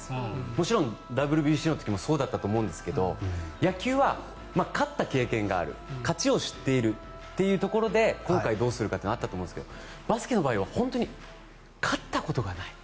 もちろんＷＢＣの時もそうだったと思うんですが野球は勝った経験がある勝ちを知っているというところで今回、どうするかというのはあったと思うんですけどバスケの場合は本当に勝ったことがない。